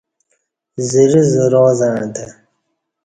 زرہ زرا زعݩتہ